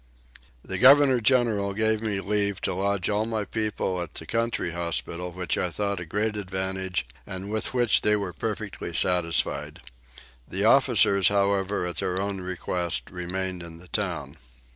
The governor general gave me leave to lodge all my people at the country hospital which I thought a great advantage and with which they were perfectly satisfied. The officers however at their own request remained in the town.